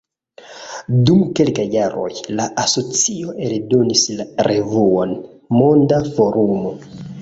Dum kelkaj jaroj la asocio eldonis la revuon „Monda Forumo“.